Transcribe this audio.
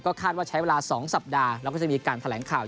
คาดว่าใช้เวลา๒สัปดาห์แล้วก็จะมีการแถลงข่าว